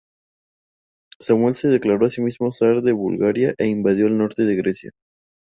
Samuel se declaró asimismo Zar de Bulgaria e invadió el norte de Grecia.